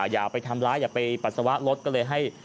อย่าไปทำร้ายอย่าไปปัสสาวะรถก็เลยให้